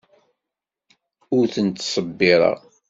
Ur ten-ttṣebbireɣ.